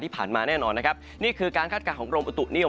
แน่นอนนะครับนี่คือการคาดการณ์ของกรมอุตุนิยม